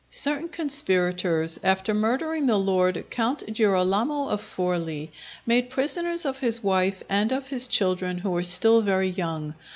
Certain conspirators, after murdering the lord, Count Girolamo of Forli, made prisoners of his wife and of his children who were still very young.